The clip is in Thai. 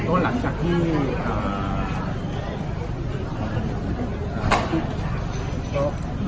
โทรหลังจากที่เอ่อ